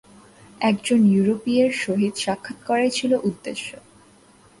একজন ইউরোপীয়ের সহিত সাক্ষাৎ করাই ছিল উদ্দেশ্য।